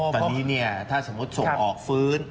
ตอนนี้เนี่ยถ้าสมมติส่งออกฟื้น